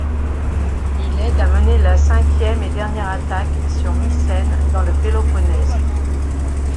Il aide à mener la cinquième et dernière attaque sur Mycènes dans le Péloponnèse.